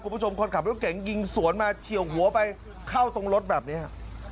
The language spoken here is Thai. คุณผู้ชมคนขับรถเก๋งยิงสวนมาเฉียวหัวไปเข้าตรงรถแบบนี้